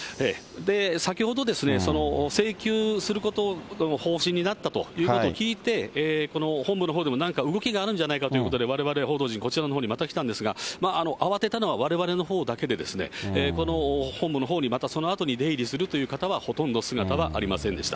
先ほど、請求する方針になったということを聞いて、この本部のほうでも何か動きがあるんじゃないかということで、われわれ、報道陣、こちらのほうにまた来たんですが、慌てたのはわれわれのほうだけでですね、この本部のほうに、またそのあとに出入りするという方は、ほとんど姿はありませんでした。